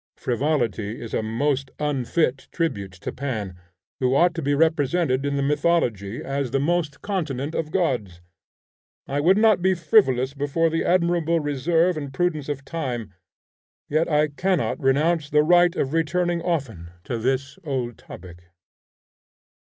Frivolity is a most unfit tribute to Pan, who ought to be represented in the mythology as the most continent of gods. I would not be frivolous before the admirable reserve and prudence of time, yet I cannot renounce the right of returning often to this old topic.